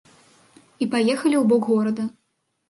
І паехалі ў бок горада.